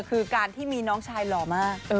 คือการที่มีน้องชายหล่อมาก